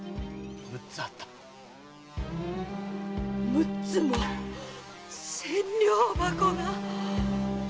六つも千両箱が！